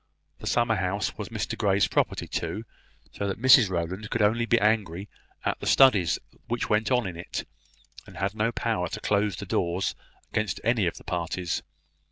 The summer house was Mr Grey's property, too; so that Mrs Rowland could only be angry at the studies which went on in it, and had no power to close the doors against any of the parties.